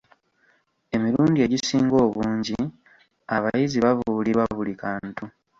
Emirundi egisinga obungi abayizi babuulirwa buli kantu.